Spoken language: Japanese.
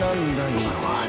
今のは。